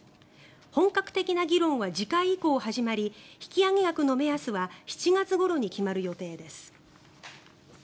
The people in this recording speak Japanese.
本格的な議論は次回以降始まり引き上げ額の目安は７月ごろに決まる予定です。